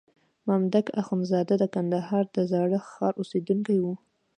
مامدک اخندزاده د کندهار د زاړه ښار اوسېدونکی وو.